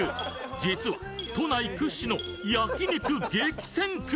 実は都内屈指の焼き肉激戦区。